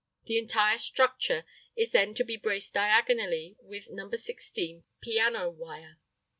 The entire structure is then to be braced diagonally with No. 16 piano wire.